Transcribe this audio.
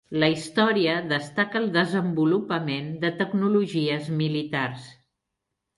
La "Història" destaca el desenvolupament de tecnologies militars.